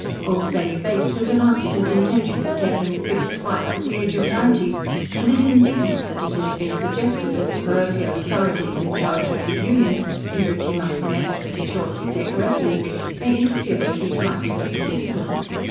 Old Benny Bates has announced his intention of taking a fifth wife at the age of ninety, and is indignant that it has been suggested that the parochial authorities in charge of the "Union," in which he must inevitably shortly take refuge, may interfere with his rights as a citizen.